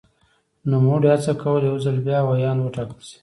نوموړي هڅه کوله یو ځل بیا ویاند وټاکل شي.